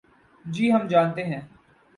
جی ہم جانتے ہیں۔